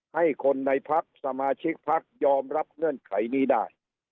ให้คนในพักสมาชิกพักยอมรับเงื่อนไขนี้ได้